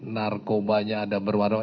narkobanya ada berwarna